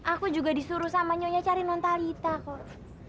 aku juga disuruh sama nyonya cari non talita kok